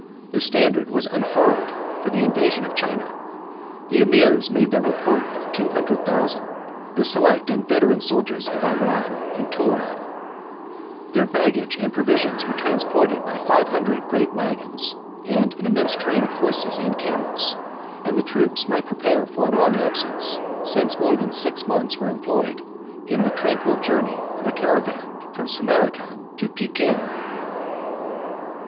The standard was unfurled for the invasion of China: the emirs made their report of two hundred thousand, the select and veteran soldiers of Iran and Touran: their baggage and provisions were transported by five hundred great wagons, and an immense train of horses and camels; and the troops might prepare for a long absence, since more than six months were employed in the tranquil journey of a caravan from Samarcand to Pekin.